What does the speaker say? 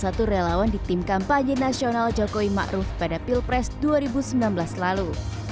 salah satu relawan di tim kampanye nasional jokowi ⁇ maruf ⁇ pada pilpres dua ribu sembilan belas lalu